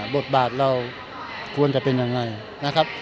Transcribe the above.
บทบาทเราควรจะเป็นอย่างไร